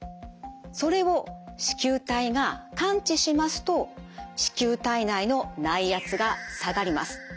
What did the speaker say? それを糸球体が感知しますと糸球体内の内圧が下がります。